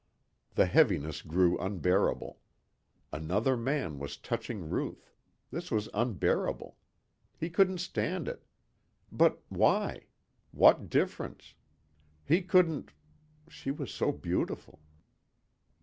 The heaviness grew unbearable. Another man was touching Ruth. This was unbearable. He couldn't stand it. But why? What difference? He couldn't.... She was so beautiful.